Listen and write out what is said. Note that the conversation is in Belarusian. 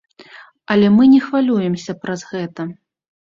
Але мы не хвалюемся праз гэта.